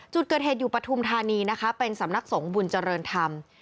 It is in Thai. จุดเกิดเหตุอยู่ปฐุมธานีนะคะเป็นสำนักสงฆ์บุญเจริญธรรม